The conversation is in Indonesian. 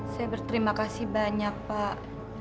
saya berterima kasih banyak pak